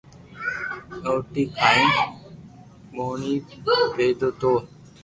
روٽي کائين پوڻي پيڌو تو